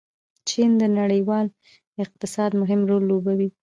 چین د نړیوال اقتصاد مهم رول لوبوي.